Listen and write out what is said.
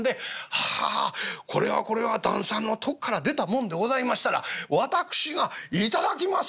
『ははこれはこれは旦さんのとっから出たもんでございましたら私が頂きます！』